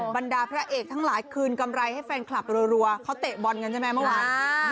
บรรดาพระเอกทั้งหลายคืนกำไรให้แฟนคลับรัวเขาเตะบอลกันใช่ไหมเมื่อวาน